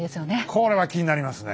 これは気になりますね。